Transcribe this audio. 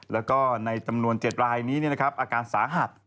แล้วก็ในจำนวน๗รายนี้อาการสาหัส